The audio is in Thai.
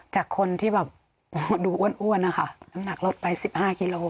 จากคนที่แบบดูอ้วนนะคะน้ำหนักลดไป๑๕กิโล